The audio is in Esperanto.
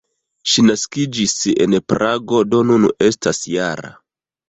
Ŝi naskiĝis en Prago, do nun estas -jara.